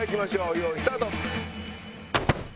用意スタート。